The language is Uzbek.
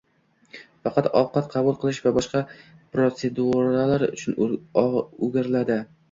Faqat ovqat qabul qilish va boshqa proseduralar uchun o`giriladi